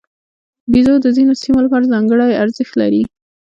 بیزو د ځینو سیمو لپاره ځانګړی ارزښت لري.